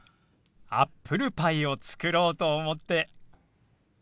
アップルパイを作ろうと思って。